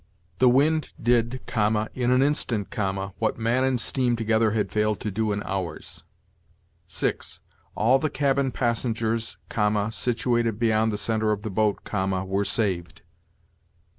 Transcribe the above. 'The wind did(,) in an instant(,) what man and steam together had failed to do in hours.' 6. 'All the cabin passengers(,) situated beyond the center of the boat(,) were saved.'